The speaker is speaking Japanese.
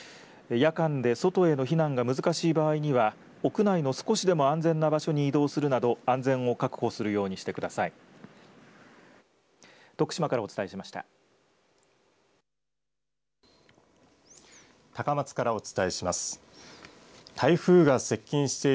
夜間で外への避難が難しい場合には屋内の少しでも安全な場所に移動するなど安全を確保するようにしてください。